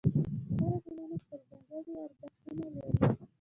هره ټولنه خپل ځانګړي ارزښتونه لري.